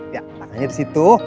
ya tangannya disitu